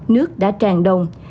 nước đã tràn đồng